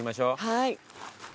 はい。